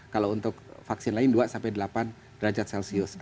kalau untuk vaksin lain dua sampai delapan derajat celcius